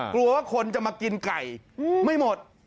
กลัวว่าคนจะมากินไก่ไม่หมด